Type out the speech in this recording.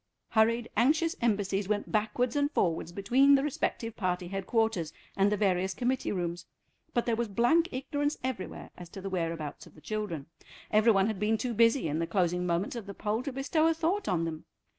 Hurried, anxious embassies went backwards and forwards between the respective party headquarters and the various committee rooms, but there was blank ignorance everywhere as to the whereabouts of the children. Every one had been too busy in the closing moments of the poll to bestow a thought on them.